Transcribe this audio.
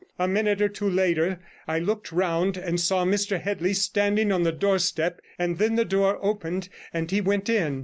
A minute or two later I looked round, and saw Mr Headley standing on the doorstep, and then the door opened and he went in.